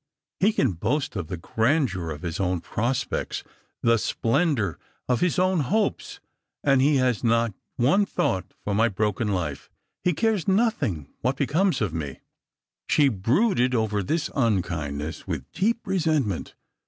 He can boast of the grandeur of his own prospects, the splendour of his own hopes, and he has not one thought for my broken life ; he cares nothing what becomes of me." She brooded over this unkindness with deep resentment.